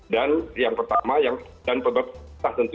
dan yang pertama dan perbataan tentu